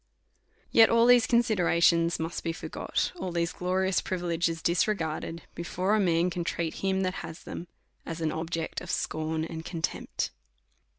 Yet all these considerations must be for got, all these glorious privileges disregarded, before man can treat him that has them, as an object of scorn and contemi>t.